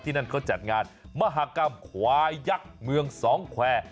นั่นเขาจัดงานมหากรรมควายยักษ์เมืองสองแควร์